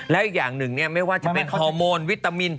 แล้วอีกอย่างหนึ่งไม่ว่าจะเป็นฮอร์โมนวิตามิน